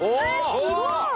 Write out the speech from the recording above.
すごい！